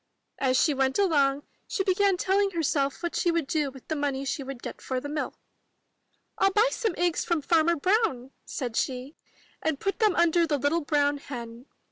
As she went along, she began telling herself what she would do with the money she would get for the milk. 'TU buy some eggs from Farmer Brown,'* said she, '*and put them under the little brown hen.